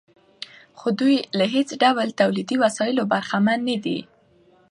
خو دوی له هېڅ ډول تولیدي وسایلو برخمن نه دي